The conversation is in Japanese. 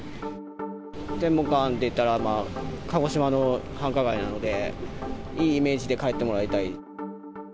天文館といったら鹿児島の繁華街なので、いいイメージで帰ってもらいたい。